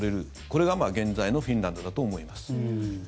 これが現在のフィンランドだと思います。